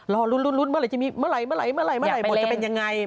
รอนรุนมรับอยากจะมีมาลัยบทจะเป็นอย่างไร